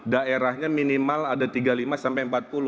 daerahnya minimal ada tiga puluh lima sampai empat puluh